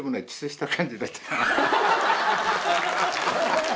ハハハハ！